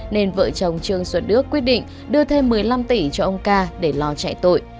nên vợ chồng trương xuân đức quyết định đưa thêm một mươi năm tỷ cho ông ca để lo chạy tội